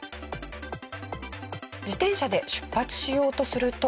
自転車で出発しようとすると。